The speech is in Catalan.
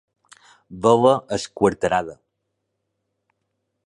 Vela esquarterada: